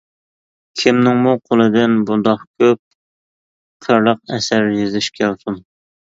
كىمنىڭمۇ قولىدىن بۇنداق كۆپ قىرلىق ئەسەر يېزىش كەلسۇن!